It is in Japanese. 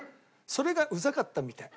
それがうざかったみたい。